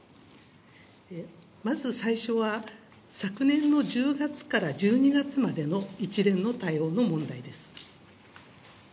まず最初は、昨年の１０月から１２月までの一連の対応の問題です。